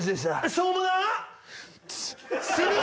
しょうもなー！